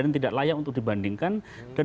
dan tidak layak untuk dibandingkan dan